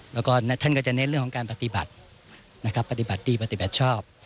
แล้วก็ท่านก็จะเน้นเรื่องของการปฏิบัตินะครับปฏิบัติปฏิบัติดีปฏิบัติชอบ